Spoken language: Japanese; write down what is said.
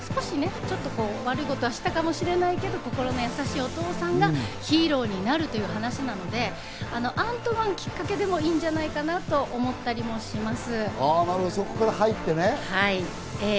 強いヒーローではなくて、普通のお父さんで、心のやさしい、ちょっと悪いことはしたかもしれないけど、心の優しいお父さんが、ヒーローになるというお話なので、アントマンきっかけでも、いいんじゃないかなと思ったりもします。